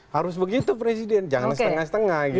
harus begitu presiden jangan setengah setengah